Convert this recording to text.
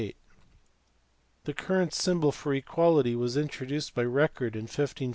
The current symbol for equality was introduced by Record in 1557 (see p.